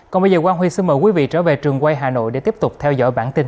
còn bây giờ quang huy xin mời quý vị trở về trường quay hà nội để tiếp tục theo dõi bản tin